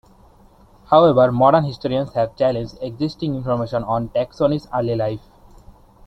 However, modern historians have challenged existing information on Taksony's early life.